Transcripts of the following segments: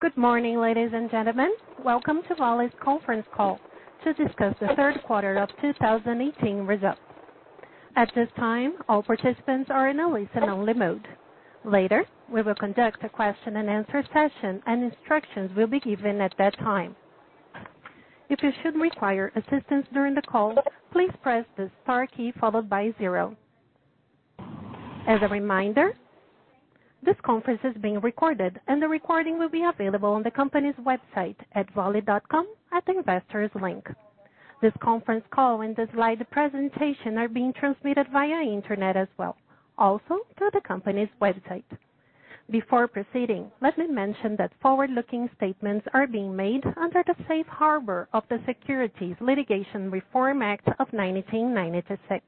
Good morning, ladies and gentlemen. Welcome to Vale's conference call to discuss the third quarter of 2018 results. At this time, all participants are in a listen-only mode. Later, we will conduct a question and answer session, and instructions will be given at that time. If you should require assistance during the call, please press the star key followed by zero. As a reminder, this conference is being recorded, and the recording will be available on the company's website at vale.com at the investors link. This conference call and the slide presentation are being transmitted via internet as well, also through the company's website. Before proceeding, let me mention that forward-looking statements are being made under the Safe Harbor of the Securities Litigation Reform Act of 1996.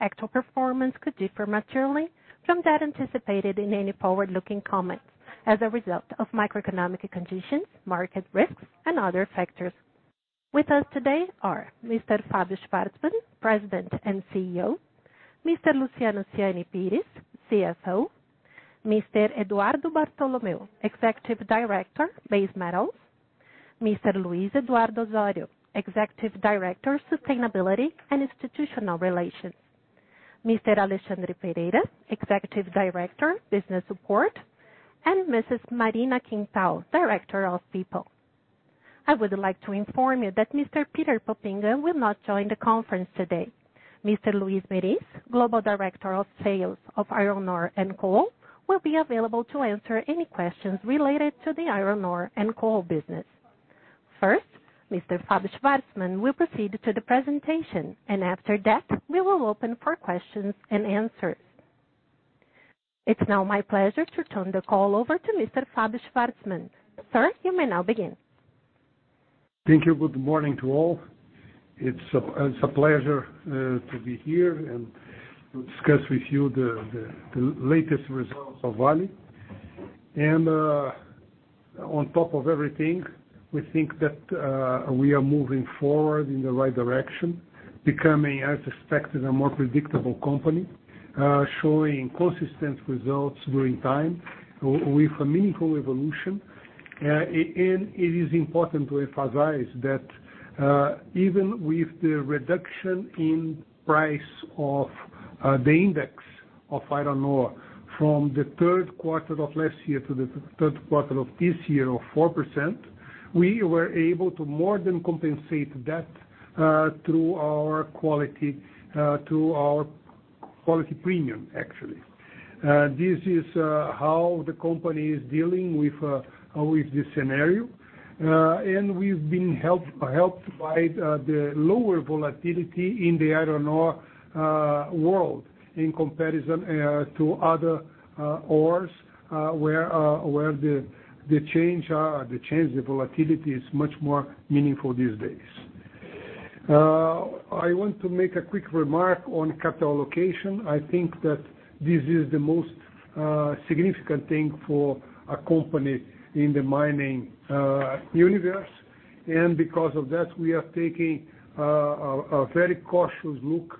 Actual performance could differ materially from that anticipated in any forward-looking comments as a result of macroeconomic conditions, market risks and other factors. With us today are Mr. Fabio Schvartsman, President and CEO, Mr. Luciano Siani Pires, CFO, Mr. Eduardo Bartolomeo, Executive Director, Base Metals, Mr. Luiz Eduardo Osorio, Executive Director, Sustainability and Institutional Relations, Mr. Alexandre Pereira, Executive Director, Business Support, and Mrs. Marina Quental, Director of People. I would like to inform you that Mr. Peter Poppinga will not join the conference today. Mr. Luiz Meriz, Global Director of Sales of iron ore and Coal, will be available to answer any questions related to the iron ore and coal business. First, Mr. Fabio Schvartsman will proceed to the presentation, and after that, we will open for questions and answers. It's now my pleasure to turn the call over to Mr. Fabio Schvartsman. Sir, you may now begin. Thank you. Good morning to all. It's a pleasure to be here and to discuss with you the latest results of Vale. On top of everything, we think that we are moving forward in the right direction, becoming, as expected, a more predictable company, showing consistent results during time with a meaningful evolution. It is important to emphasize that even with the reduction in price of the index of iron ore from the third quarter of last year to the third quarter of this year of 4%, we were able to more than compensate that through our quality premium, actually. This is how the company is dealing with the scenario. We've been helped by the lower volatility in the iron ore world in comparison to other ores, where the change, the volatility is much more meaningful these days. I want to make a quick remark on capital allocation. I think that this is the most significant thing for a company in the mining universe, and because of that, we are taking a very cautious look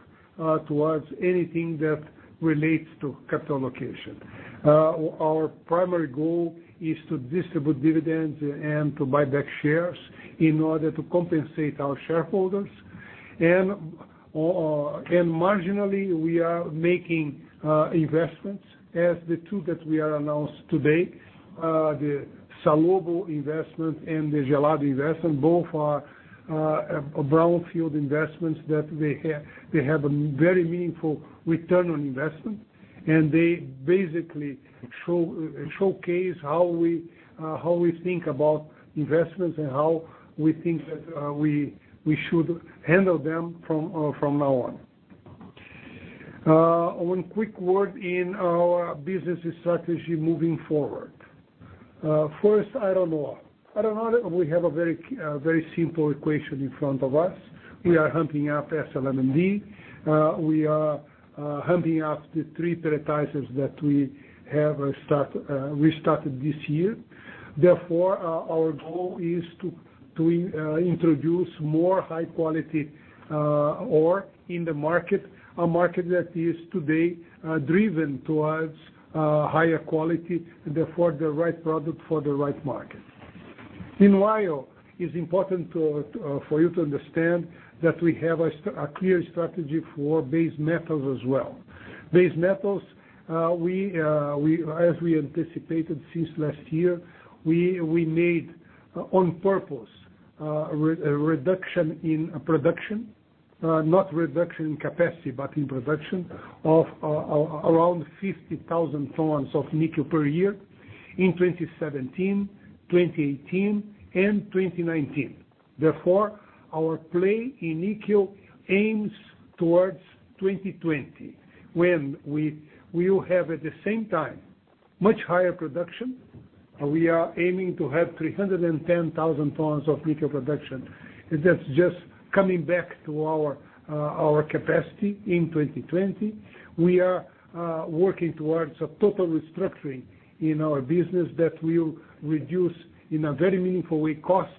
towards anything that relates to capital allocation. Our primary goal is to distribute dividends and to buy back shares in order to compensate our shareholders. Marginally, we are making investments as the two that we are announced today, the Salobo investment and the Gelado investment. Both are brownfield investments that they have a very meaningful return on investment, and they basically showcase how we think about investments and how we think that we should handle them from now on. One quick word in our business strategy moving forward. First, iron ore. Iron ore, we have a very simple equation in front of us. We are ramping up S11D. We are ramping up the three pelletizers that we have restarted this year. Our goal is to introduce more high-quality ore in the market, a market that is today driven towards higher quality, and therefore the right product for the right market. It's important for you to understand that we have a clear strategy for base metals as well. Base metals, as we anticipated since last year, we made on purpose a reduction in production, not reduction in capacity, but in production of around 50,000 tons of nickel per year in 2017, 2018, and 2019. Our play in nickel aims towards 2020 when we will have, at the same time, much higher production. We are aiming to have 310,000 tons of nickel production. That's just coming back to our capacity in 2020. We are working towards a total restructuring in our business that will reduce, in a very meaningful way, costs,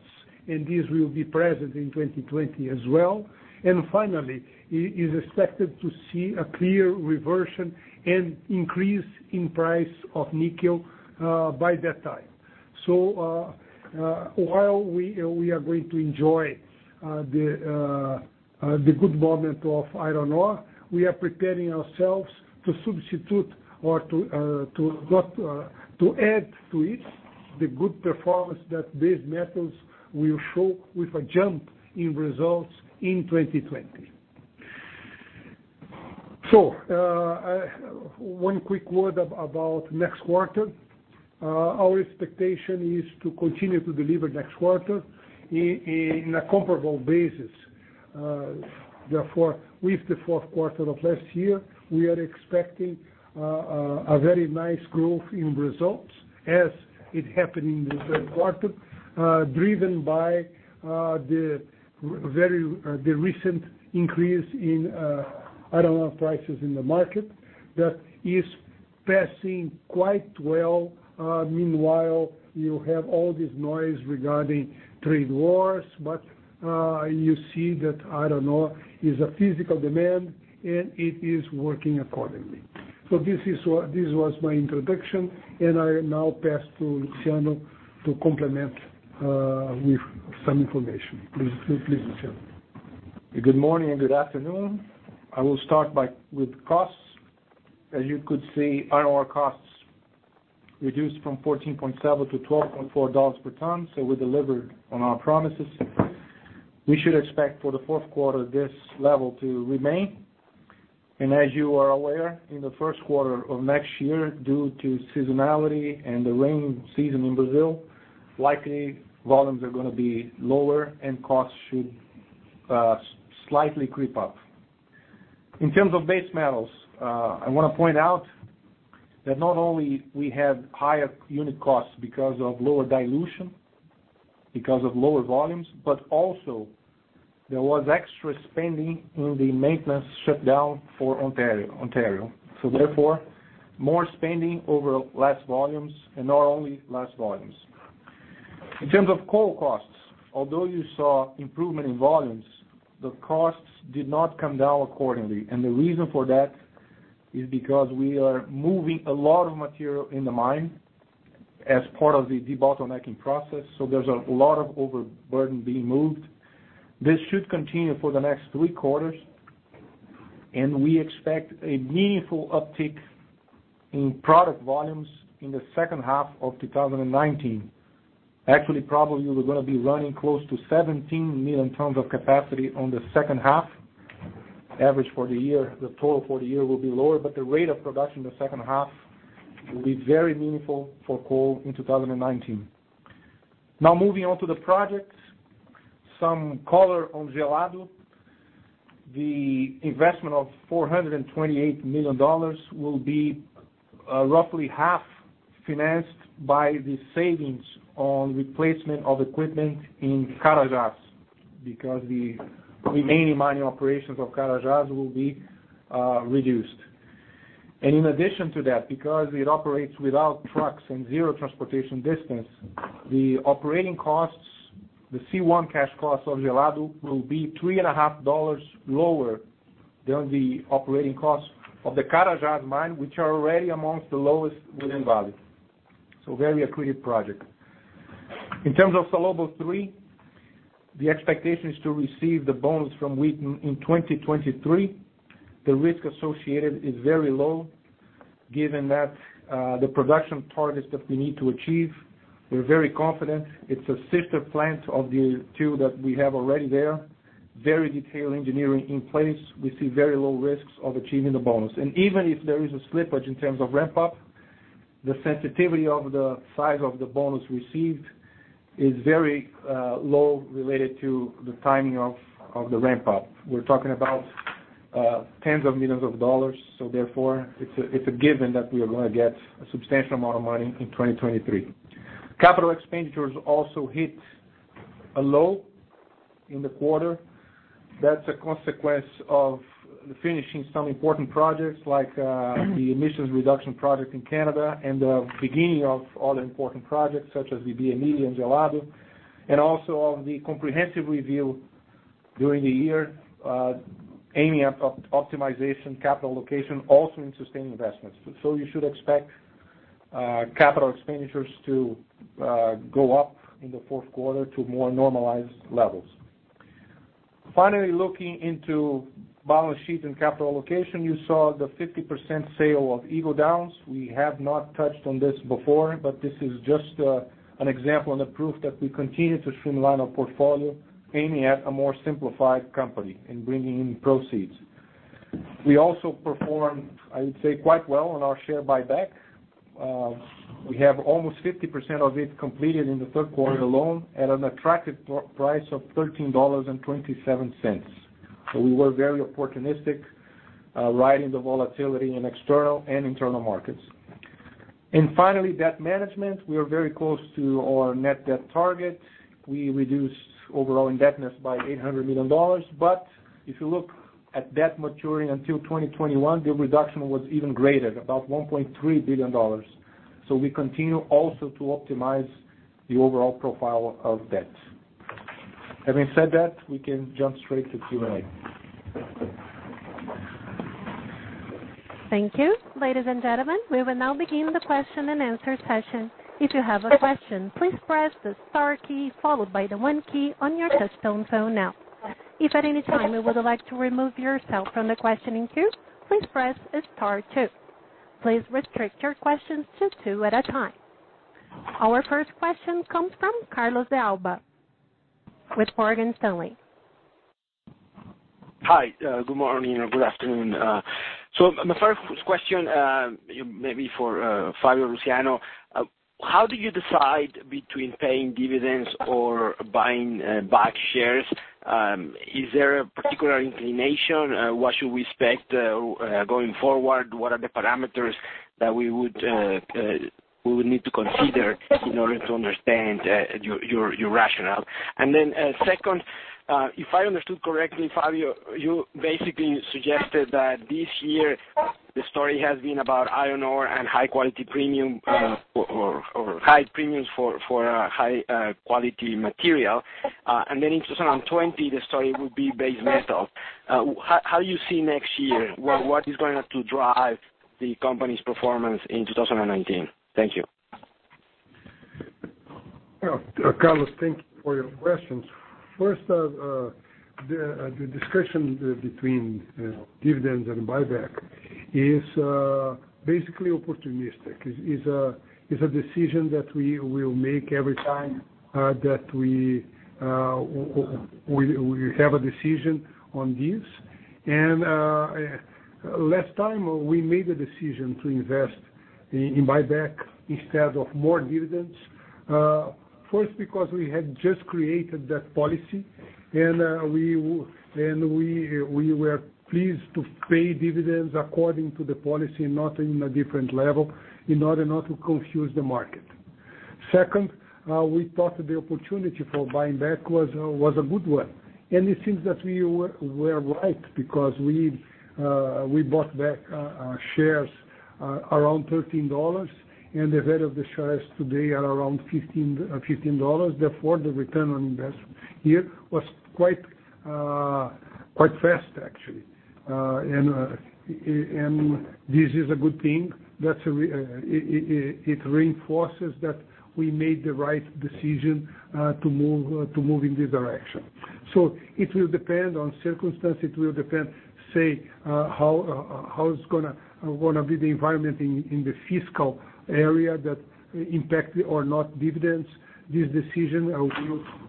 and this will be present in 2020 as well. Finally, it is expected to see a clear reversion and increase in price of nickel by that time. While we are going to enjoy the good moment of iron ore, we are preparing ourselves to substitute or to add to it the good performance that base metals will show with a jump in results in 2020. One quick word about next quarter. Our expectation is to continue to deliver next quarter in a comparable basis. With the fourth quarter of last year, we are expecting a very nice growth in results as it happened in the third quarter, driven by the recent increase in iron ore prices in the market that is passing quite well. You have all this noise regarding trade wars, but you see that iron ore is a physical demand, and it is working accordingly. This was my introduction, and I now pass to Luciano to complement with some information. Please proceed, Luciano. Good morning and good afternoon. I will start with costs. As you could see, iron ore costs reduced from $14.7 to $12.4 per ton. We delivered on our promises. We should expect for the fourth quarter this level to remain. As you are aware, in the first quarter of next year, due to seasonality and the rain season in Brazil, likely volumes are gonna be lower and costs should slightly creep up. In terms of base metals, I want to point out that not only we have higher unit costs because of lower dilution, because of lower volumes, but also there was extra spending in the maintenance shutdown for Ontario. Therefore, more spending over less volumes, and not only less volumes. In terms of coal costs, although you saw improvement in volumes, the costs did not come down accordingly. The reason for that is because we are moving a lot of material in the mine as part of the debottlenecking process. There's a lot of overburden being moved. This should continue for the next three quarters, and we expect a meaningful uptick in product volumes in the second half of 2019. Probably we're gonna be running close to 17 million tons of capacity on the second half. Average for the year, the total for the year will be lower, but the rate of production in the second half will be very meaningful for coal in 2019. Moving on to the projects. Some color on Gelado. The investment of $428 million will be roughly half financed by the savings on replacement of equipment in Carajás because the remaining mining operations of Carajás will be reduced. In addition to that, because it operates without trucks and zero transportation distance, the operating costs, the C1 cash costs of Gelado will be three and a half dollars lower than the operating costs of the Carajás mine, which are already amongst the lowest within Vale. Very accretive project. In terms of Salobo 3, the expectation is to receive the bonus from Wheaton in 2023. The risk associated is very low given that the production targets that we need to achieve. We're very confident. It's a sister plant of the two that we have already there. Very detailed engineering in place. We see very low risks of achieving the bonus. Even if there is a slippage in terms of ramp up, the sensitivity of the size of the bonus received is very low related to the timing of the ramp up. We're talking about tens of millions of dollars, therefore it's a given that we are gonna get a substantial amount of money in 2023. Capital expenditures also hit a low in the quarter. That's a consequence of finishing some important projects like the emissions reduction project in Canada and the beginning of other important projects such as VBME and Gelado. Also of the comprehensive review during the year aiming at optimization capital allocation also in sustaining investments. You should expect capital expenditures to go up in the fourth quarter to more normalized levels. Finally, looking into balance sheet and capital allocation, you saw the 50% sale of Eagle Downs. We have not touched on this before, but this is just an example and a proof that we continue to streamline our portfolio aiming at a more simplified company and bringing in proceeds. We also performed, I would say, quite well on our share buyback. We have almost 50% of it completed in the third quarter alone at an attractive price of $13.27. We were very opportunistic riding the volatility in external and internal markets. Finally, debt management. We are very close to our net debt target. We reduced overall indebtedness by $800 million. If you look at debt maturing until 2021, the reduction was even greater, about $1.3 billion. We continue also to optimize the overall profile of debt. Having said that, we can jump straight to Q&A. Thank you. Ladies and gentlemen, we will now begin the question and answer session. If you have a question, please press the star key followed by the one key on your touch-tone phone now. If at any time you would like to remove yourself from the questioning queue, please press star two. Please restrict your questions to two at a time. Our first question comes from Carlos De Alba with Morgan Stanley. Hi, good morning or good afternoon. My first question, maybe for Fabio Luciano. How do you decide between paying dividends or buying back shares? Is there a particular inclination? What should we expect going forward? What are the parameters that we would need to consider in order to understand your rationale? Then, second, if I understood correctly, Fabio, you basically suggested that this year the story has been about iron ore and high-quality premium or high premiums for high-quality material. Then in 2020, the story will be base metal. How you see next year? What is going to drive the company's performance in 2019? Thank you. Carlos, thank you for your questions. First, the discussion between dividends and buyback is basically opportunistic. It's a decision that we will make every time that we have a decision on this. Last time, we made a decision to invest in buyback instead of more dividends. First, because we had just created that policy, and we were pleased to pay dividends according to the policy and not in a different level in order not to confuse the market. Second, we thought the opportunity for buying back was a good one, and it seems that we were right because we bought back shares around $13, and the value of the shares today are around $15. Therefore, the return on investment here was quite fast, actually. This is a good thing. It reinforces that we made the right decision to move in this direction. It will depend on circumstance. It will depend, say, how it's gonna be the environment in the fiscal area that impact or not dividends. This decision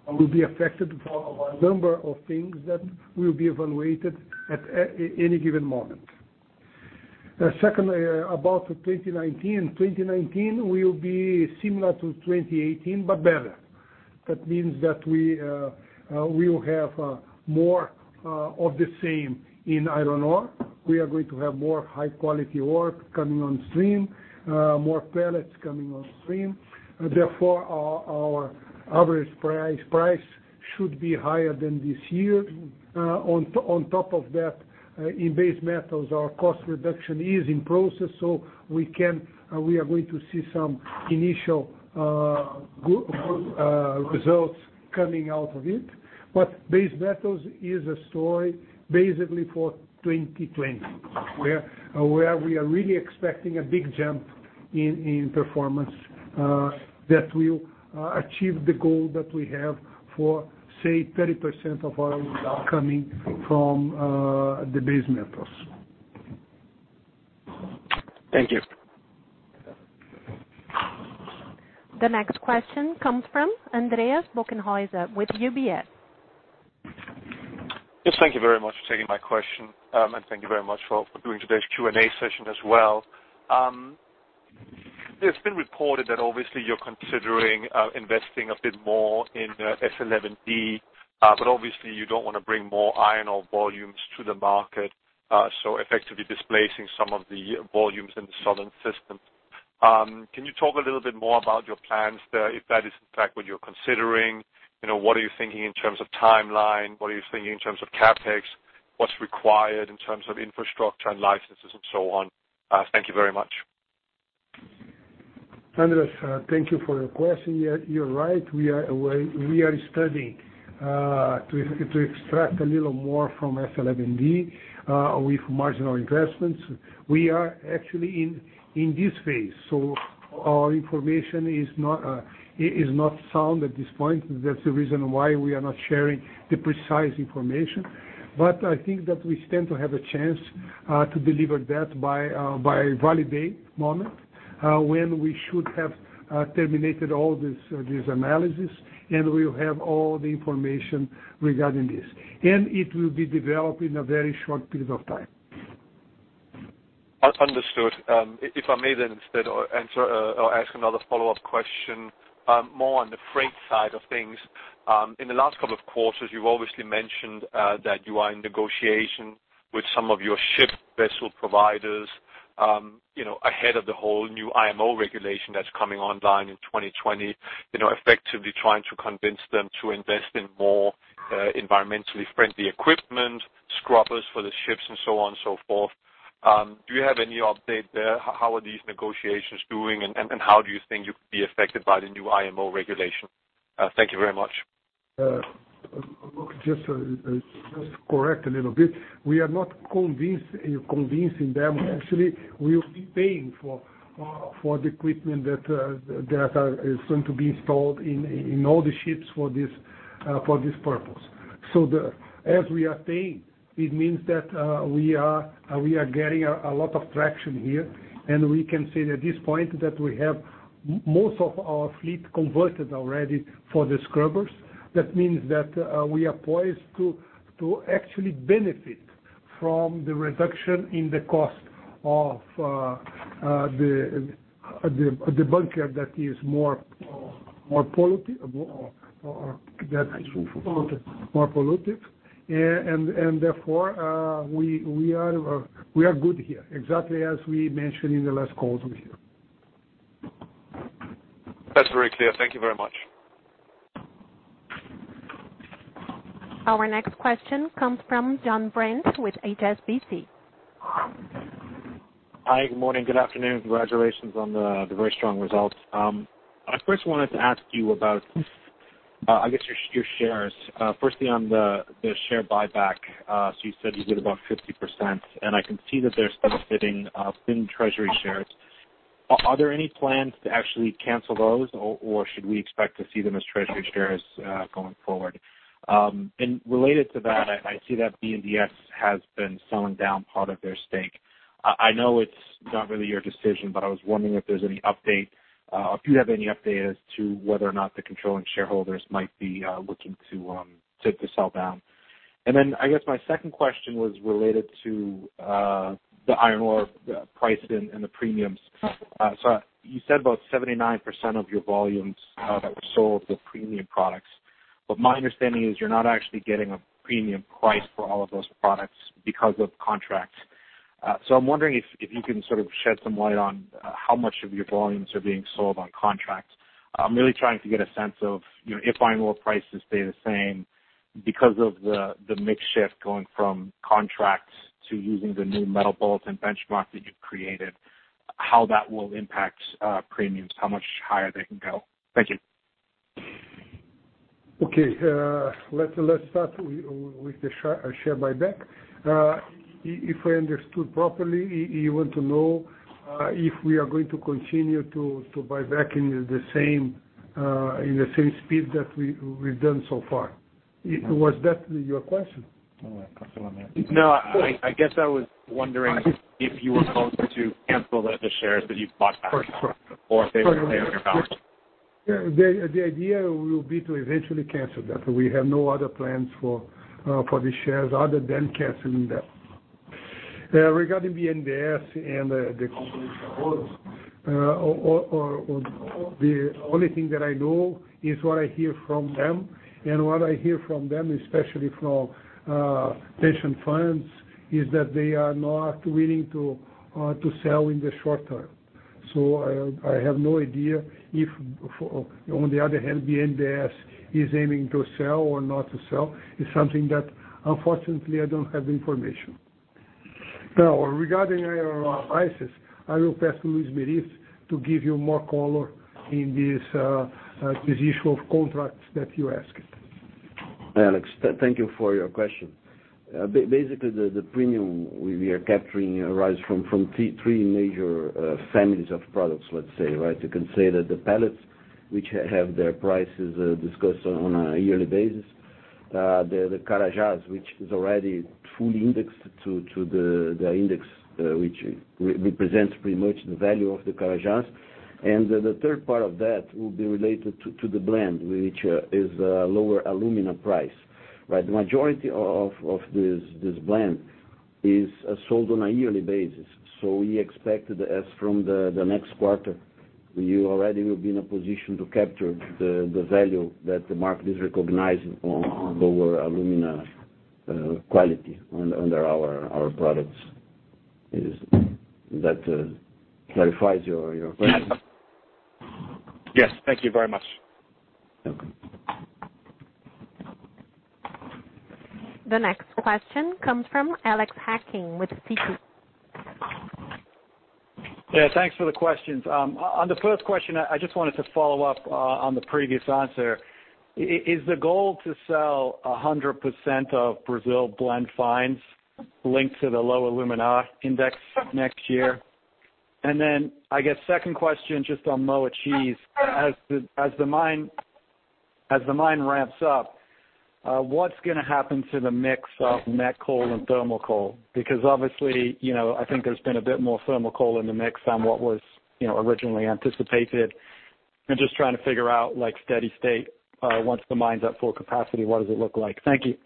will be affected by a number of things that will be evaluated at any given moment. Secondly, about 2019. 2019 will be similar to 2018, but better. That means that we will have more of the same in iron ore. We are going to have more high-quality ore coming on stream, more pellets coming on stream. Therefore, our average price should be higher than this year. On top of that, in base metals, our cost reduction is in process, we are going to see some initial good results coming out of it. base metals is a story basically for 2020, where we are really expecting a big jump in performance that will achieve the goal that we have for, say, 30% of our results coming from the base metals. Thank you. The next question comes from Andreas Bockenhueser with UBS. Thank you very much for taking my question, and thank you very much for doing today's Q&A session as well. It's been reported that obviously you're considering investing a bit more in S11D, but obviously you don't want to bring more iron ore volumes to the market, so effectively displacing some of the volumes in the southern system. Can you talk a little bit more about your plans there, if that is in fact what you're considering? What are you thinking in terms of timeline? What are you thinking in terms of CapEx? What's required in terms of infrastructure and licenses and so on? Thank you very much. Andreas, thank you for your question. You're right. We are studying to extract a little more from S11D with marginal investments. We are actually in this phase, so our information is not sound at this point. That's the reason why we are not sharing the precise information. I think that we stand to have a chance to deliver that by Vale Day moment, when we should have terminated all these analyses, and we'll have all the information regarding this. It will be developed in a very short period of time. Understood. If I may then, instead ask another follow-up question, more on the freight side of things. In the last couple of quarters, you've obviously mentioned that you are in negotiation with some of your ship vessel providers ahead of the whole new IMO regulation that's coming online in 2020, effectively trying to convince them to invest in more environmentally friendly equipment, scrubbers for the ships and so on and so forth. Do you have any update there? How are these negotiations doing, and how do you think you could be affected by the new IMO regulation? Thank you very much. Just to correct a little bit, we are not convincing them. Actually, we will be paying for the equipment that is going to be installed in all the ships for this purpose. As we are paying, it means that we are getting a lot of traction here, and we can say at this point that we have most of our fleet converted already for the scrubbers. That means that we are poised to actually benefit from the reduction in the cost of the bunker that is more pollutive. Therefore, we are good here, exactly as we mentioned in the last call from here. That's very clear. Thank you very much. Our next question comes from John Brent with HSBC. Hi, good morning, good afternoon. Congratulations on the very strong results. I first wanted to ask you about, I guess, your shares. Firstly, on the share buyback. You said you did about 50%, and I can see that they're still sitting in treasury shares. Are there any plans to actually cancel those, or should we expect to see them as treasury shares, going forward? Related to that, I see that BNDES has been selling down part of their stake. I know it's not really your decision, but I was wondering if there's any update, if you have any update as to whether or not the controlling shareholders might be looking to sell down. I guess my second question was related to the iron ore price and the premiums. You said about 79% of your volumes that were sold were premium products. My understanding is you're not actually getting a premium price for all of those products because of contracts. I'm wondering if you can sort of shed some light on how much of your volumes are being sold on contracts. I'm really trying to get a sense of, if iron ore prices stay the same because of the mix shift going from contracts to using the new Metal Bulletin benchmark that you've created, how that will impact premiums, how much higher they can go. Thank you. Okay. Let's start with the share buyback. If I understood properly, you want to know if we are going to continue to buy back in the same speed that we've done so far. Was that your question? No, I guess I was wondering if you were going to cancel the shares that you've bought back or if they will stay on your balance sheet. The idea will be to eventually cancel that. We have no other plans for the shares other than canceling that. Regarding BNDES, the only thing that I know is what I hear from them, and what I hear from them, especially from pension funds, is that they are not willing to sell in the short term. I have no idea if on the other hand, BNDES is aiming to sell or not to sell. It's something that unfortunately I don't have the information. Now regarding iron ore prices, I will pass to Luiz Meriz to give you more color in this issue of contracts that you asked. Alex, thank you for your question. Basically, the premium we are capturing arises from three major families of products, let's say, right? You can say that the pellets, which have their prices discussed on a yearly basis, the Carajás, which is already fully indexed to the index which represents pretty much the value of the Carajás. The third part of that will be related to the blend, which is a lower alumina price. The majority of this blend is sold on a yearly basis. We expect as from the next quarter, we already will be in a position to capture the value that the market is recognizing on lower alumina quality under our products. Does that clarifies your question? Yes. Thank you very much. Okay. The next question comes from Alexander Hacking with Citi. Yeah, thanks for the questions. On the first question, I just wanted to follow up on the previous answer. Is the goal to sell 100% of Brazil blend fines linked to the low alumina index next year? And second question just on Moatize. As the mine ramps up, what's gonna happen to the mix of met coal and thermal coal? Because obviously, I think there's been a bit more thermal coal in the mix than what was originally anticipated. I'm just trying to figure out, like steady state, once the mine's at full capacity, what does it look like? Thank you.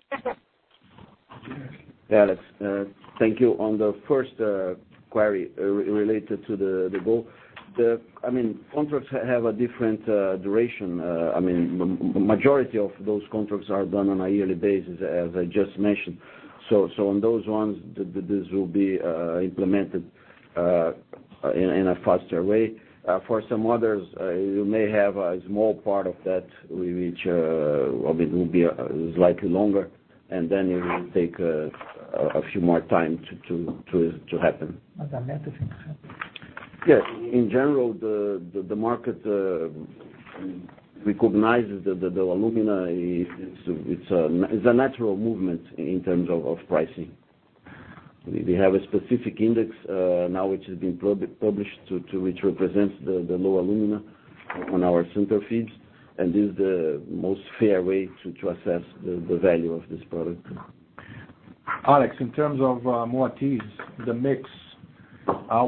Yeah, Alex. Thank you. On the first query related to the goal, contracts have a different duration. Majority of those contracts are done on a yearly basis, as I just mentioned. On those ones, this will be implemented in a faster way. For some others, you may have a small part of that which will be slightly longer, and it will take a few more time to happen. Yes. In general, the market recognizes the low alumina. It's a natural movement in terms of pricing. We have a specific index now, which has been published, which represents the low alumina on our sinter feeds, and is the most fair way to assess the value of this product. Alex, in terms of Moatize, the mix,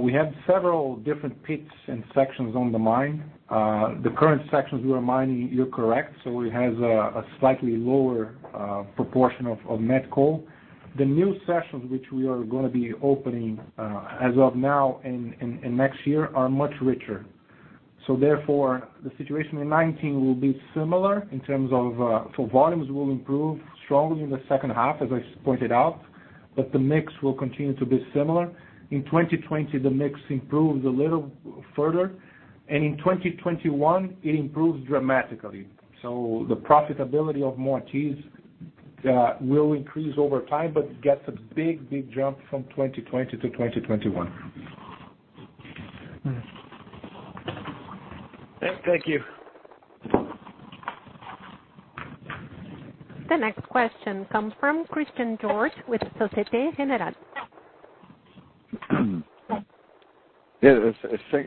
we have several different pits and sections on the mine. The current sections we are mining, you're correct, so it has a slightly lower proportion of met coal. The new sections which we are going to be opening as of now and next year are much richer. Therefore, the situation in 2019 will be similar in terms of, so volumes will improve strongly in the second half, as I pointed out, but the mix will continue to be similar. In 2020, the mix improves a little further. In 2021, it improves dramatically. The profitability of Moatize will increase over time but gets a big jump from 2020 to 2021. Thank you. The next question comes from Christian Georges with Societe Generale. Yeah.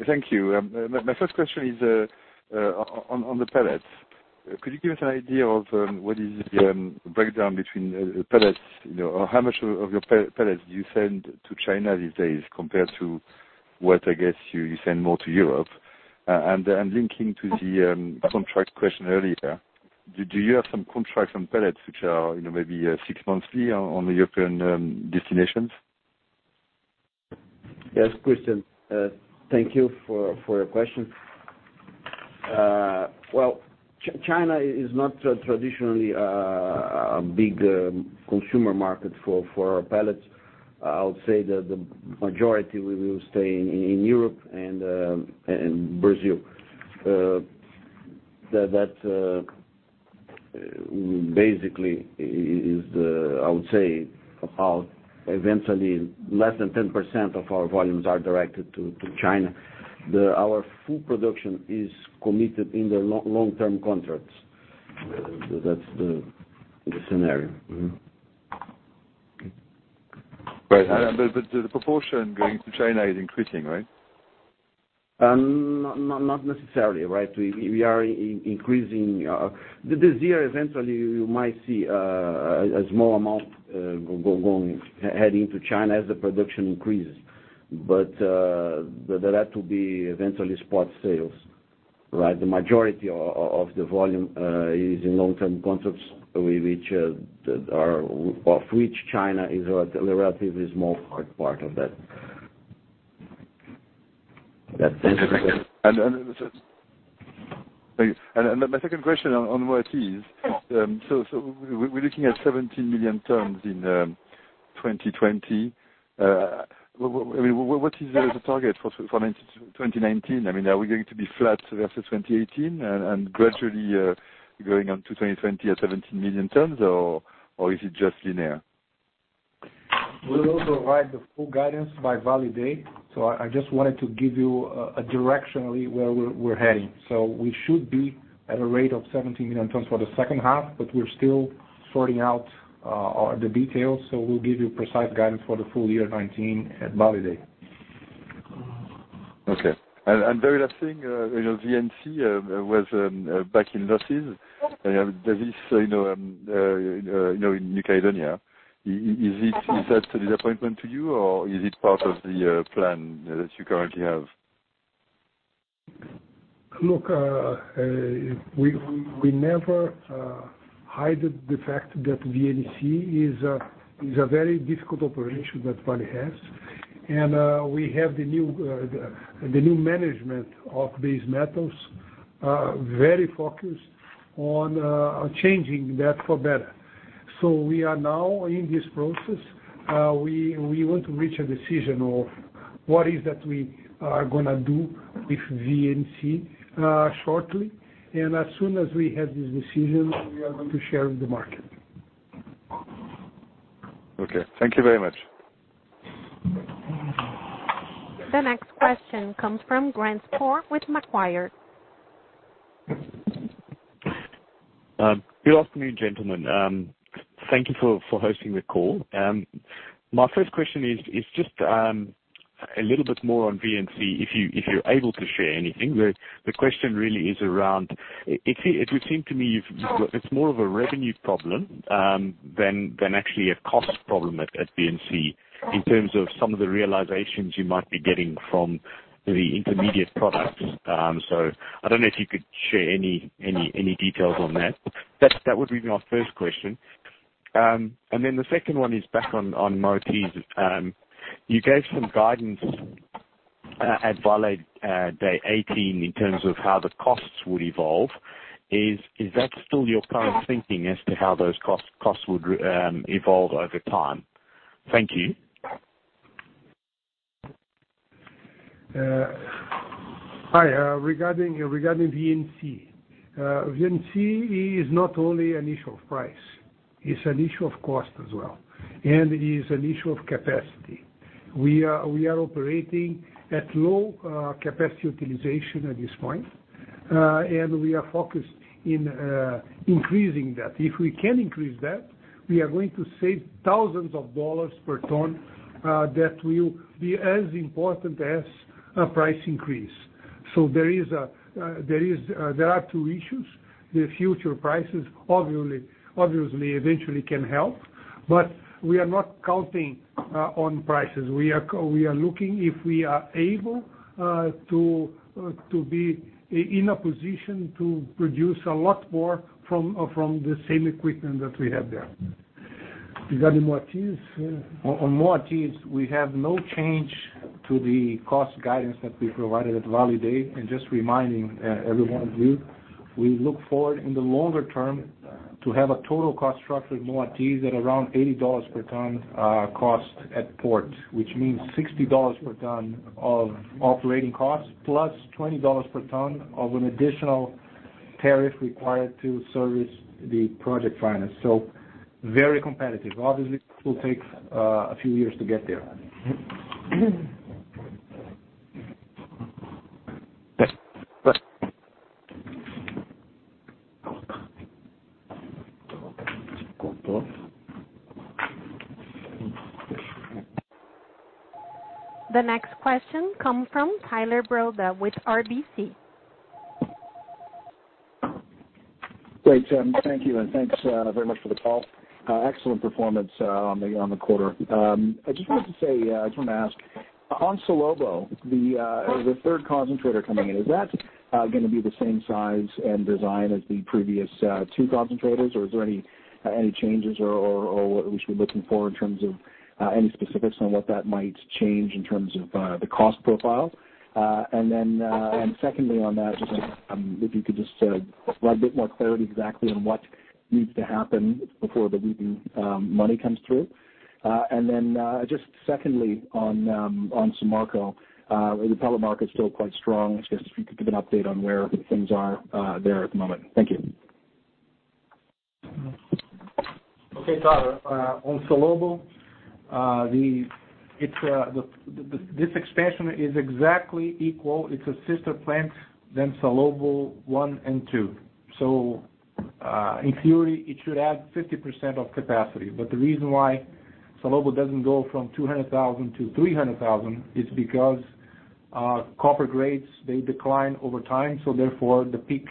Thank you. My first question is on the pellets. Could you give us an idea of what is the breakdown between the pellets, or how much of your pellets do you send to China these days compared to what, I guess, you send more to Europe? Linking to the contract question earlier, do you have some contracts on pellets, which are maybe 6 months here on the European destinations? Yes, Christian. Thank you for your question. Well, China is not traditionally a big consumer market for our pellets. I would say that the majority will stay in Europe and Brazil. That basically is, I would say, about eventually less than 10% of our volumes are directed to China. Our full production is committed in the long-term contracts. That's the scenario. Mm-hmm. Right. The proportion going to China is increasing, right? Not necessarily, right. This year, eventually you might see a small amount heading to China as the production increases. That had to be eventually spot sales, right? The majority of the volume is in long-term contracts of which China is a relatively small part of that. My second question on Moatize. We're looking at 17 million tons in 2020. What is the target for 2019? Are we going to be flat versus 2018 and gradually going on to 2020 at 17 million tons, or is it just linear? We'll also provide the full guidance by Vale Day. I just wanted to give you a directionally where we're heading. We should be at a rate of 17 million tons for the second half, but we're still sorting out the details. We'll give you precise guidance for the full year 2019 at Vale Day. Okay. The last thing, VNC was back in losses. Does this, in New Caledonia, is that a disappointment to you, or is it part of the plan that you currently have? Look, we never hided the fact that VNC is a very difficult operation that Vale has. We have the new management of base metals very focused on changing that for better. We are now in this process. We want to reach a decision of what is that we are going to do with VNC shortly. As soon as we have this decision, we are going to share with the market. Okay. Thank you very much. The next question comes from Grant Sporre with Macquarie. Good afternoon, gentlemen. Thank you for hosting the call. My first question is just a little bit more on VNC, if you're able to share anything. The question really is around, it would seem to me it's more of a revenue problem than actually a cost problem at VNC in terms of some of the realizations you might be getting from the intermediate products. I don't know if you could share any details on that. That would be my first question. The second one is back on Moatize. You gave some guidance at Vale Day 2018 in terms of how the costs would evolve. Is that still your current thinking as to how those costs would evolve over time? Thank you. Hi, regarding VNC. VNC is not only an issue of price, it's an issue of cost as well. It is an issue of capacity. We are operating at low capacity utilization at this point. We are focused on increasing that. If we can increase that, we are going to save thousands of dollars per ton. That will be as important as a price increase. There are two issues. The future prices, obviously, eventually can help. We are not counting on prices. We are looking if we are able to be in a position to produce a lot more from the same equipment that we have there. Regarding Moatize? On Moatize, we have no change to the cost guidance that we provided at Vale Day. Just reminding everyone of you, we look forward in the longer term to have a total cost structure at Moatize at around $80 per ton cost at port, which means $60 per ton of operating costs, plus $20 per ton of an additional tariff required to service the project finance. Very competitive. Obviously, this will take a few years to get there. The next question comes from Tyler Broda with RBC. Great. Thank you, and thanks very much for the call. Excellent performance on the quarter. I just wanted to ask, on Salobo, the third concentrator coming in, is that gonna be the same size and design as the previous two concentrators, or are there any changes, or what we should be looking for in terms of any specifics on what that might change in terms of the cost profile? Secondly on that, if you could just provide a bit more clarity exactly on what needs to happen before the Wheaton money comes through. Just secondly on Samarco, the pellet market's still quite strong. Just if you could give an update on where things are there at the moment. Thank you. Okay, Tyler. On Salobo, this expansion is exactly equal. It's a sister plant than Salobo 1 and 2. In theory, it should add 50% of capacity. The reason why Salobo doesn't go from 200,000 to 300,000 is because copper grades decline over time, therefore, the peak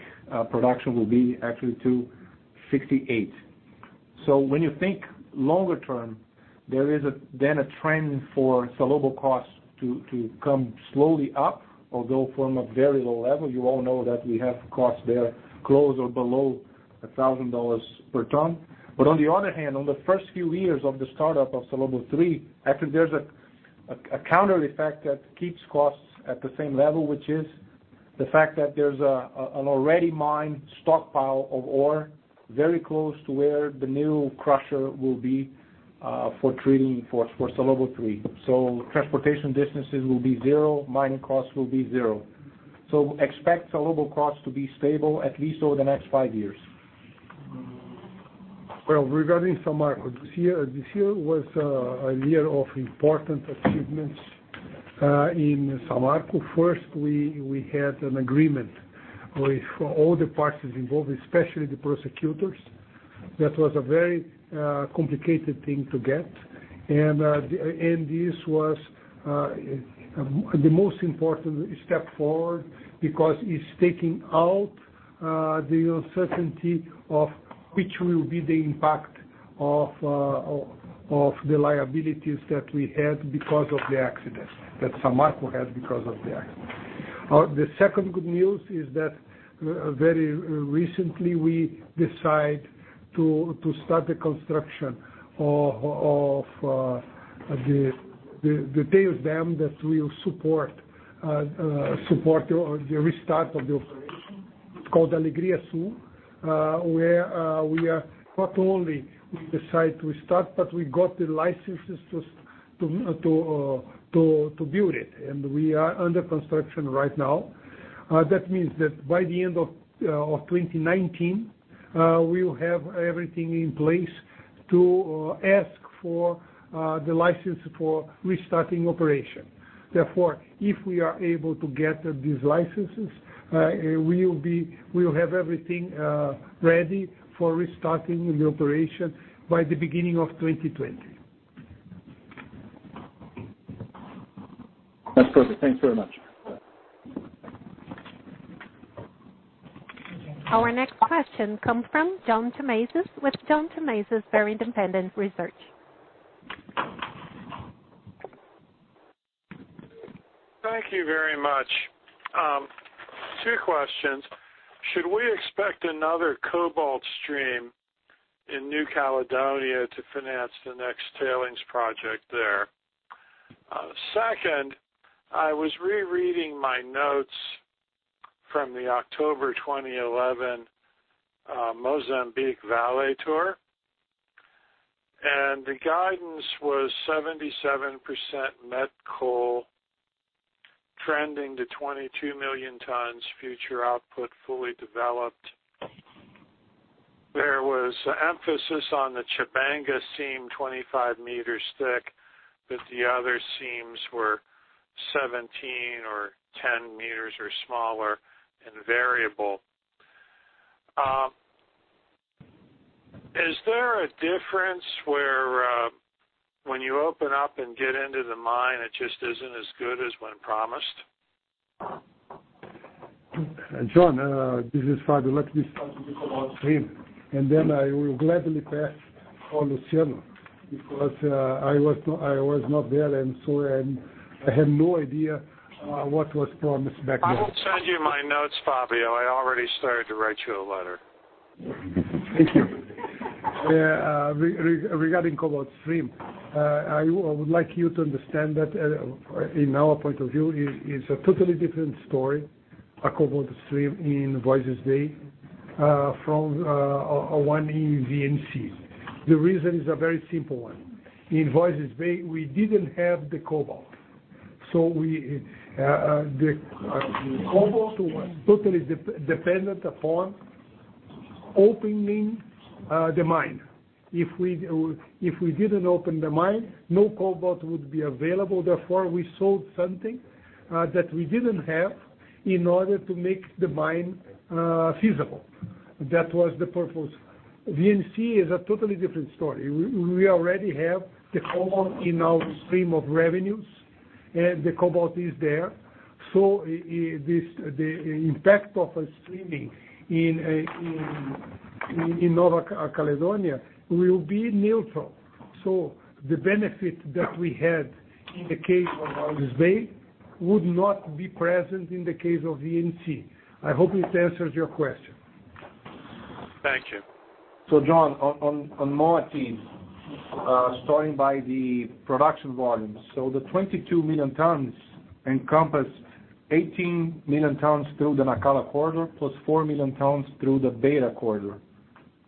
production will be actually 268. When you think longer term, there is a trend for Salobo costs to come slowly up, although from a very low level. You all know that we have costs there close or below $1,000 per ton. On the other hand, on the first few years of the startup of Salobo 3, actually there's a counter effect that keeps costs at the same level, which is the fact that there's an already mined stockpile of ore very close to where the new crusher will be for treating for Salobo 3. Transportation distances will be zero, mining costs will be zero. Expect Salobo costs to be stable at least over the next five years. Well, regarding Samarco, this year was a year of important achievements in Samarco. First, we had an agreement with all the parties involved, especially the prosecutors. That was a very complicated thing to get. This was the most important step forward because it's taking out the uncertainty of which will be the impact of the liabilities that Samarco had because of the accident. The second good news is that very recently we decide to start the construction of the tails dam that will support the restart of the operation. It's called Alegria Sul, where we not only decide to start, but we got the licenses to build it, and we are under construction right now. That means that by the end of 2019, we'll have everything in place to ask for the license for restarting operation. Therefore, if we are able to get these licenses, we'll have everything ready for restarting the operation by the beginning of 2020. That's perfect. Thanks very much. Our next question comes from John Tumazos with John Tumazos Very Independent Research. Thank you very much. Two questions. Should we expect another cobalt stream in New Caledonia to finance the next tailings project there? Second, I was rereading my notes from the October 2011 Mozambique Vale tour. The guidance was 77% met coal trending to 22 million tons future output fully developed. There was emphasis on the Chipanga seam 25 meters thick, but the other seams were 17 or 10 meters or smaller and variable. Is there a difference where when you open up and get into the mine, it just isn't as good as when promised? John, this is Fabio. Let me start a bit about stream. I will gladly pass on Luciano, because I was not there. I have no idea what was promised back then. I will send you my notes, Fabio. I already started to write you a letter. Thank you. Regarding cobalt stream, I would like you to understand that in our point of view, it's a totally different story, a cobalt stream in Voisey's Bay from one in VNC. The reason is a very simple one. In Voisey's Bay, we didn't have the cobalt. The cobalt was totally dependent upon opening the mine. If we didn't open the mine, no cobalt would be available, therefore, we sold something that we didn't have in order to make the mine feasible. That was the purpose. VNC is a totally different story. We already have the cobalt in our stream of revenues. The cobalt is there. The impact of a streaming in New Caledonia will be neutral. The benefit that we had in the case of Voisey's Bay would not be present in the case of VNC. I hope it answers your question. Thank you. John, on Moatize, starting by the production volumes. The 22 million tons encompass 18 million tons through the Nacala corridor, plus 4 million tons through the Beira corridor.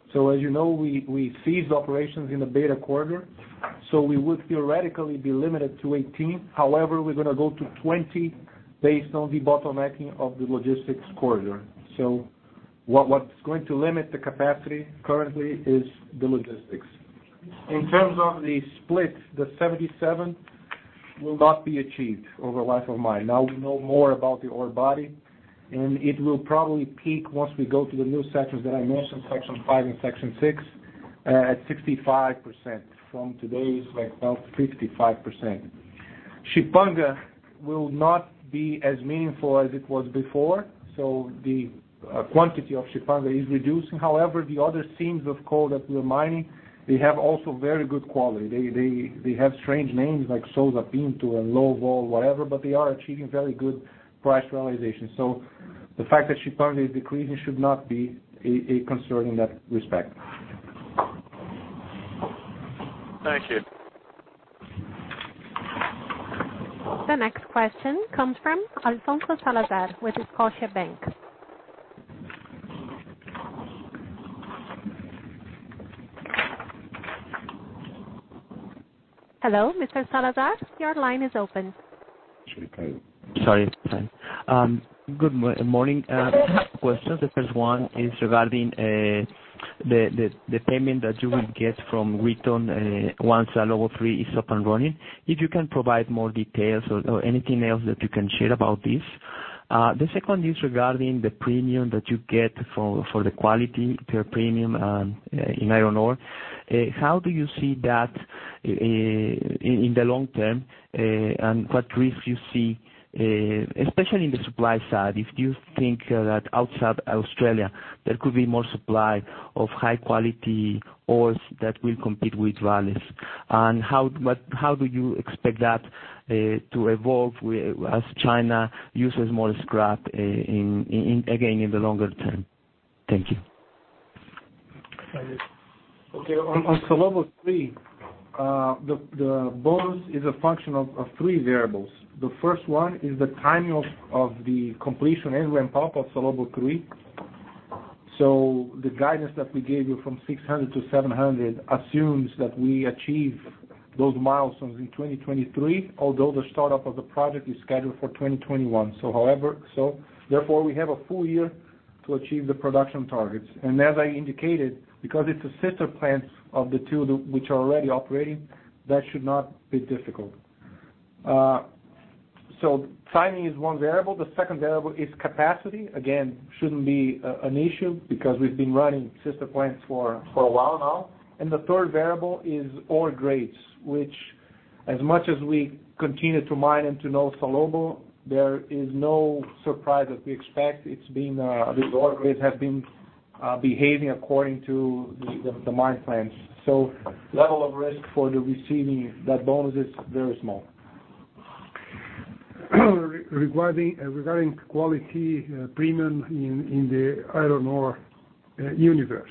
As you know, we ceased operations in the Beira corridor, so we would theoretically be limited to 18. However, we're gonna go to 20 based on the debottlenecking of the logistics corridor. What's going to limit the capacity currently is the logistics. In terms of the split, the 77% will not be achieved over the life of mine. Now we know more about the ore body, and it will probably peak once we go to the new sections that I mentioned, section five and section six, at 65% from today's about 55%. Chipanga will not be as meaningful as it was before, so the quantity of Chipanga is reducing. However, the other seams of coal that we're mining, they have also very good quality. They have strange names like Sousa, Pinto, and low-wall, whatever, but they are achieving very good price realization. The fact that Chipanga is decreasing should not be a concern in that respect. Thank you. The next question comes from Alfonso Salazar with Scotiabank. Hello, Mr. Salazar, your line is open. Sorry. Good morning. Two questions. The first one is regarding the payment that you will get from Wheaton once Salobo-3 is up and running. If you can provide more details or anything else that you can share about this. The second is regarding the premium that you get for the quality, your premium in iron ore. How do you see that in the long term, and what risk you see, especially in the supply side? If you think that outside Australia, there could be more supply of high-quality ores that will compete with Vale's. How do you expect that to evolve as China uses more scrap again in the longer term? Thank you. Fabio. Okay. On Salobo-3, the bonus is a function of three variables. The first one is the timing of the completion and ramp-up of Salobo-3. The guidance that we gave you from 600-700 assumes that we achieve those milestones in 2023, although the startup of the project is scheduled for 2021. Therefore, we have a full year to achieve the production targets. As I indicated, because it's a sister plant of the two which are already operating, that should not be difficult. Timing is one variable. The second variable is capacity. Again, shouldn't be an issue because we've been running sister plants for a while now. The third variable is ore grades, which as much as we continue to mine and to know Salobo, there is no surprise that we expect. These ore grades have been behaving according to the mine plans. Level of risk for receiving that bonus is very small. Regarding quality premium in the iron ore universe.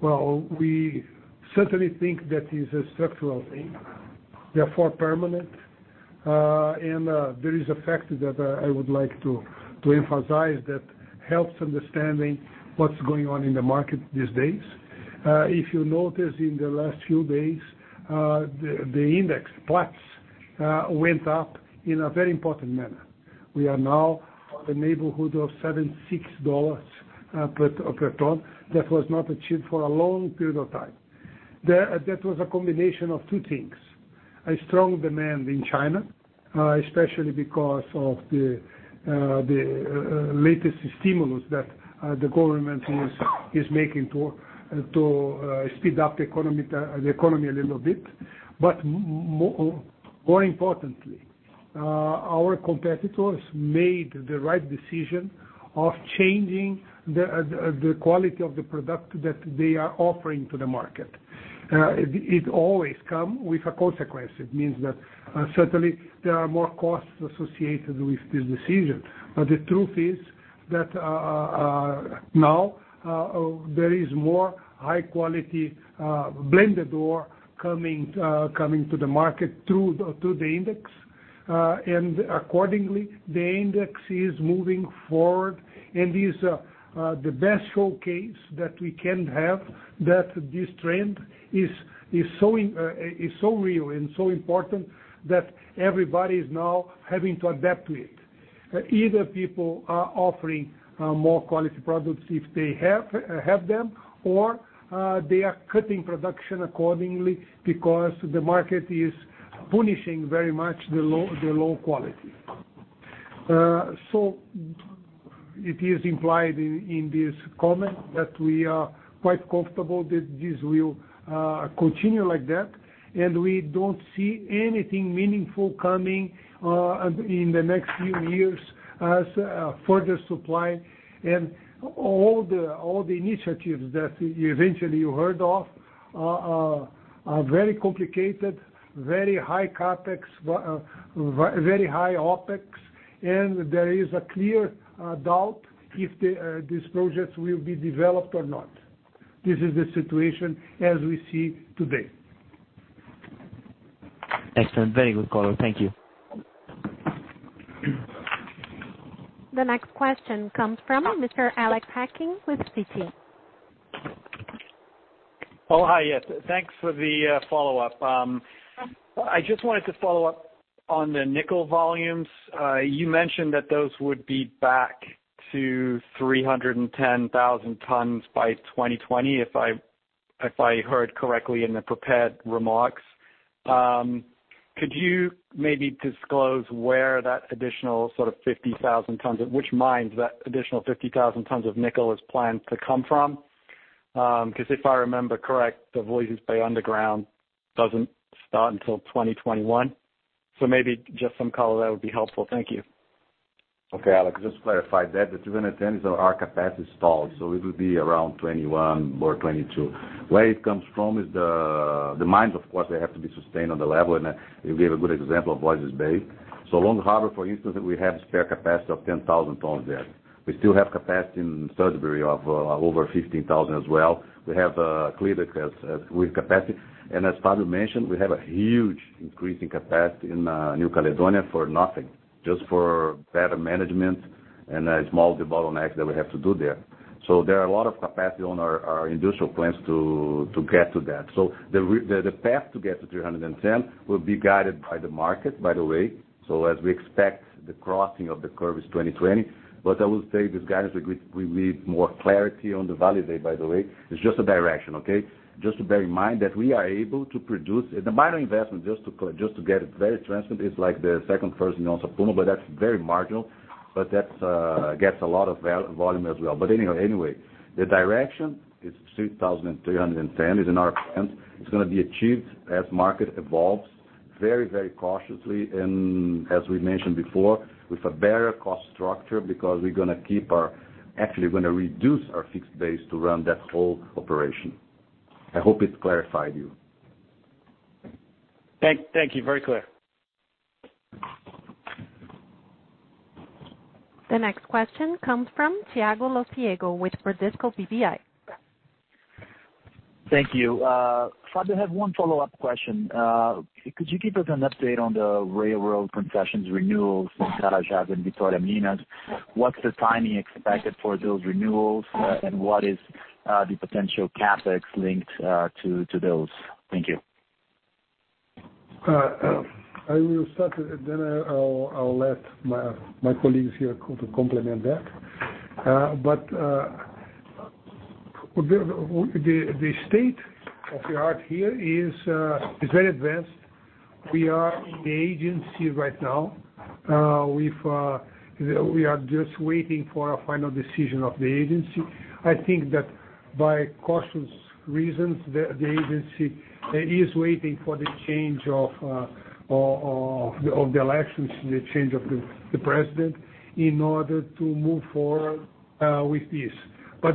Well, we certainly think that it's a structural thing, therefore permanent. There is a fact that I would like to emphasize that helps understanding what's going on in the market these days. If you notice, in the last few days, the index, Platts, went up in a very important manner. We are now in the neighborhood of $76 per ton. That was not achieved for a long period of time. That was a combination of two things: a strong demand in China, especially because of the latest stimulus that the government is making to speed up the economy a little bit. More importantly, our competitors made the right decision of changing the quality of the product that they are offering to the market. It always come with a consequence. It means that certainly there are more costs associated with this decision. The truth is that now, there is more high-quality blended ore coming to the market through the index. Accordingly, the index is moving forward, and is the best showcase that we can have that this trend is so real and so important that everybody is now having to adapt to it. Either people are offering more quality products if they have them, or they are cutting production accordingly because the market is punishing very much the low quality. It is implied in this comment that we are quite comfortable that this will continue like that, and we don't see anything meaningful coming in the next few years as further supply. All the initiatives that eventually you heard of are very complicated, very high CapEx, very high OpEx, and there is a clear doubt if these projects will be developed or not. This is the situation as we see today. Excellent. Very good, Fabio. Thank you. The next question comes from Mr. Alexander Hacking with Citi. Hi. Yes, thanks for the follow-up. I just wanted to follow up on the nickel volumes. You mentioned that those would be back to 310,000 tons by 2020, if I heard correctly in the prepared remarks. Could you maybe disclose where that additional sort of 50,000 tons, at which mines that additional 50,000 tons of nickel is planned to come from? Because if I remember correct, the Voisey's Bay underground doesn't start until 2021. Maybe just some color that would be helpful. Thank you. Alex, just to clarify that, the 310 is our capacity installed, so it will be around 2021 or 2022. Where it comes from is the mines, of course, they have to be sustained on the level, and you gave a good example of Voisey's Bay. Long Harbour, for instance, we have spare capacity of 10,000 tons there. We still have capacity in Sudbury of over 15,000 as well. We have clear with capacity. As Fabio mentioned, we have a huge increase in capacity in New Caledonia for nothing, just for better management and a small debottlenecking that we have to do there. There are a lot of capacity on our industrial plans to get to that. The path to get to 310 will be guided by the market, by the way, as we expect the crossing of the curve is 2020. I will say this guidance, we need more clarity on the Vale Day, by the way. It's just a direction, okay? Just to bear in mind that we are able to produce. The minor investment just to get it very transparent, is like the second phase in Onça Puma, but that's very marginal. That gets a lot of volume as well. Anyway, the direction is 3,310, is in our plans. It's going to be achieved as market evolves very cautiously. As we mentioned before, with a better cost structure, because we're gonna reduce our fixed base to run that whole operation. I hope it clarified you. Thank you. Very clear. The next question comes from Thiago Lofiego with Bradesco BBI. Thank you. Fabio, I have one follow-up question. Could you give us an update on the railroad concessions renewals in Carajás and Vitória-Minas? What's the timing expected for those renewals, and what is the potential CapEx linked to those? Thank you. I will start, then I'll let my colleagues here to complement that. The state of the art here is very advanced. We are in the agency right now. We are just waiting for a final decision of the agency. I think that by cautious reasons, the agency is waiting for the change of the elections, the change of the president, in order to move forward with this.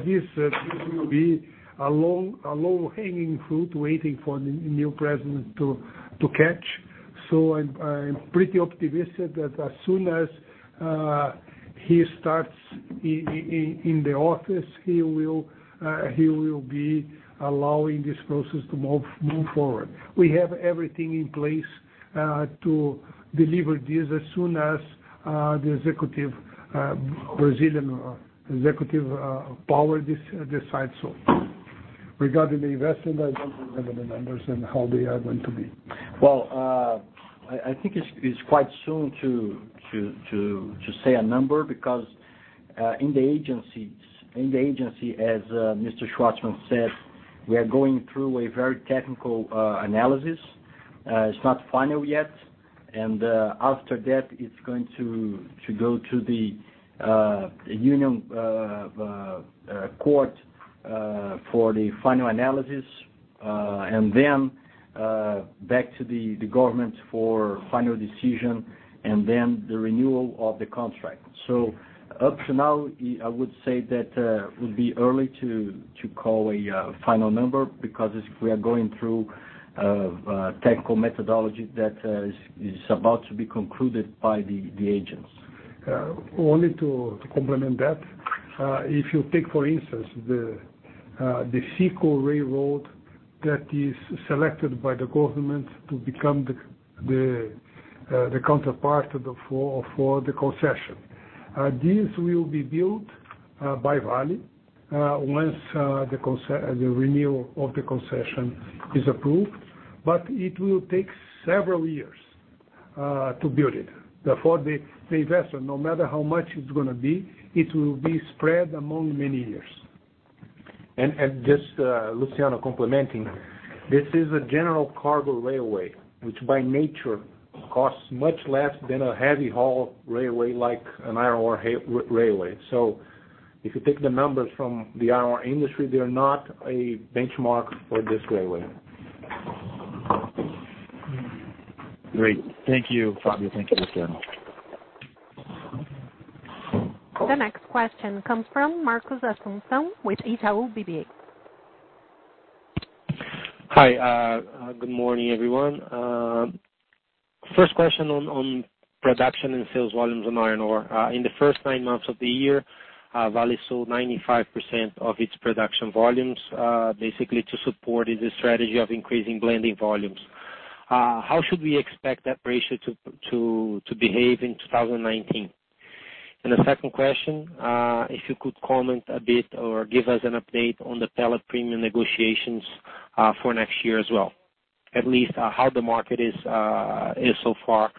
This will be a low-hanging fruit waiting for the new president to catch. I'm pretty optimistic that as soon as he starts in the office, he will be allowing this process to move forward. We have everything in place to deliver this as soon as the executive Brazilian executive power decides so. Regarding the investment, I don't remember the numbers and how they are going to be. I think it's quite soon to say a number because in the agency, as Mr. Schvartsman said, we are going through a very technical analysis. It's not final yet, and after that, it's going to go to the union court for the final analysis, and then back to the government for final decision and then the renewal of the contract. Up to now, I would say that it would be early to call a final number because we are going through a technical methodology that is about to be concluded by the agents. Only to complement that. If you take, for instance, the FICO Railroad that is selected by the government to become the counterpart for the concession. This will be built by Vale once the renewal of the concession is approved, it will take several years to build it. Therefore, the investment, no matter how much it's going to be, it will be spread among many years. Just Luciano complementing. This is a general cargo railway, which by nature costs much less than a heavy haul railway like an iron ore railway. If you take the numbers from the iron ore industry, they're not a benchmark for this railway. Great. Thank you, Fabio. Thank you, Luciano. The next question comes from Marcos Assumpção with Itaú BBA. Hi. Good morning, everyone. First question on production and sales volumes on iron ore. In the first nine months of the year, Vale sold 95% of its production volumes, basically to support the strategy of increasing blending volumes. How should we expect that ratio to behave in 2019? The second question, if you could comment a bit or give us an update on the pellet premium negotiations for next year as well, at least how the market is so far,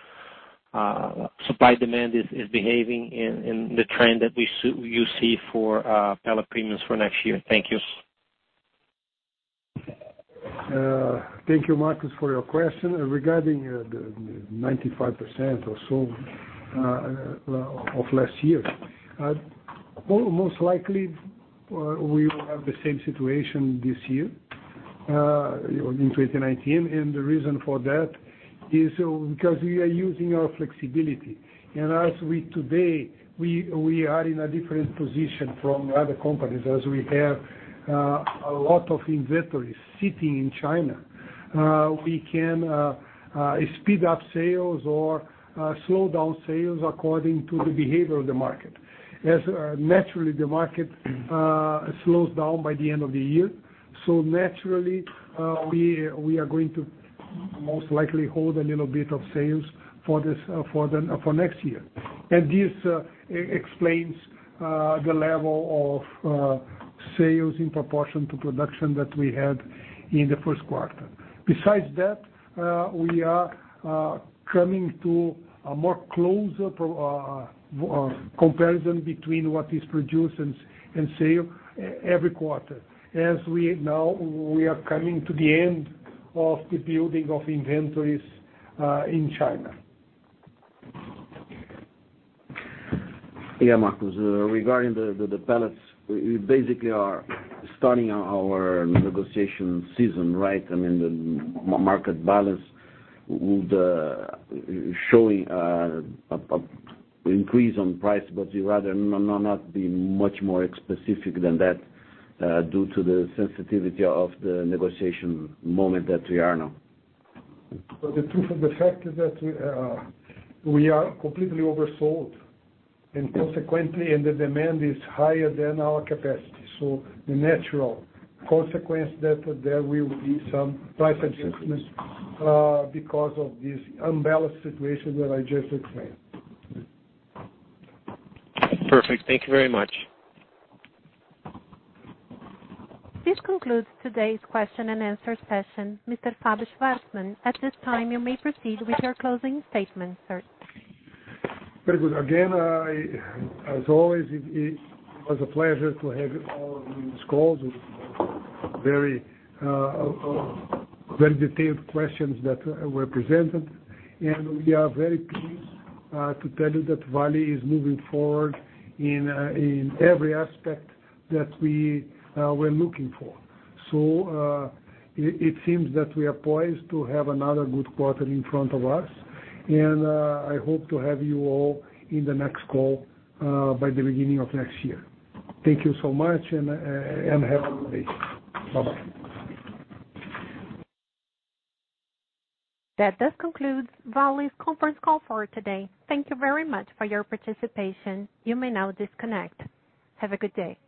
supply-demand is behaving in the trend that you see for pellet premiums for next year. Thank you. Thank you, Marcos, for your question. Regarding the 95% or so of last year. Most likely we will have the same situation this year, in 2019. The reason for that is because we are using our flexibility. As we today, we are in a different position from other companies as we have a lot of inventory sitting in China. We can speed up sales or slow down sales according to the behavior of the market. Naturally, the market slows down by the end of the year. Naturally, we are going to most likely hold a little bit of sales for next year. This explains the level of sales in proportion to production that we had in the first quarter. Besides that, we are coming to a closer comparison between what is produced and sale every quarter, as we now we are coming to the end of the building of inventories in China. Yeah, Marcos, regarding the pellets, we basically are starting our negotiation season, right? I mean, the market balance would, showing an increase on price, we'd rather not be much more specific than that due to the sensitivity of the negotiation moment that we are now. The truth of the fact is that we are completely oversold and consequently, the demand is higher than our capacity. The natural consequence that there will be some price adjustment because of this unbalanced situation that I just explained. Perfect. Thank you very much. This concludes today's question and answer session. Mr. Fabio Schvartsman, at this time, you may proceed with your closing statement, sir. Very good. Again, as always, it was a pleasure to have all of these calls with very detailed questions that were presented. We are very pleased to tell you that Vale is moving forward in every aspect that we were looking for. It seems that we are poised to have another good quarter in front of us, and I hope to have you all in the next call by the beginning of next year. Thank you so much and have a good day. Bye-bye. That does conclude Vale's conference call for today. Thank you very much for your participation. You may now disconnect. Have a good day.